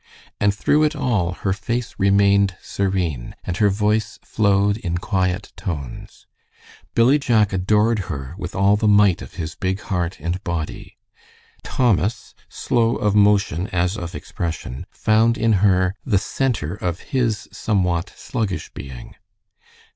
And through it all her face remained serene, and her voice flowed in quiet tones. Billy Jack adored her with all the might of his big heart and body. Thomas, slow of motion as of expression, found in her the center of his somewhat sluggish being.